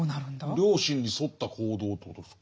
良心に沿った行動ということですか？